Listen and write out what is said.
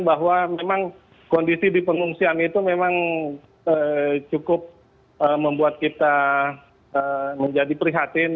bahwa memang kondisi di pengungsian itu memang cukup membuat kita menjadi prihatin